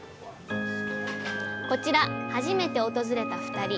こちら初めて訪れた２人。